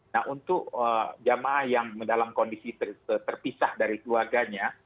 nah untuk jemaah yang dalam kondisi terpisah dari keluarganya